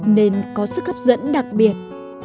nên có sức hấp dẫn đặc biệt